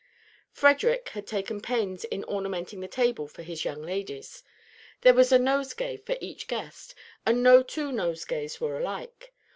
Frederic had taken great pains in ornamenting the table for his young ladies. There was a nosegay for each guest, and no two nosegays were alike.